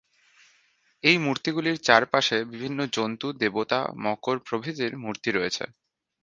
এই মূর্তিগুলির চারপাশে বিভিন্ন জন্তু, দেবতা, মকর প্রভৃতির মূর্তি রয়েছে।